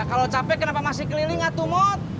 kalau capek kenapa masih keliling atuh mot